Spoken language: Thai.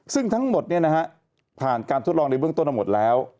ซึ่งทั้งหมดผ่านการทดลองในเบื้องต้นมาหมดแล้ว